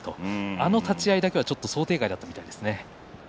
あの立ち合いだけは想定外だったみたいですね。